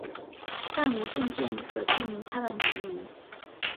但无证件可证明她的年龄。